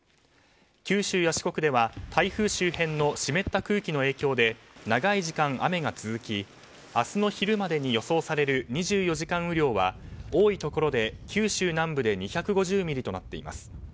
九州や四国では台風周辺の湿った空気の影響で長い時間、雨が続き明日の昼までに予想される２４時間雨量は多いところで九州南部で２５０ミリとなっています。